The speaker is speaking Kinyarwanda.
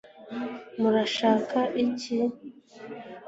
murashaka iki